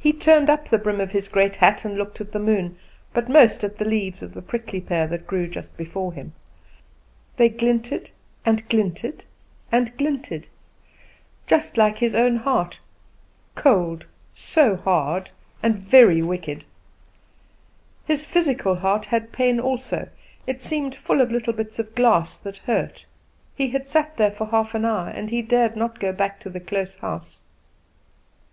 He turned up the brim of his great hat and looked at the moon, but most at the leaves of the prickly pear that grew just before him. They glinted, and glinted, and glinted, just like his own heart cold, so hard, and very wicked. His physical heart had pain also; it seemed full of little bits of glass, that hurt. He had sat there for half an hour, and he dared not go back to the close house.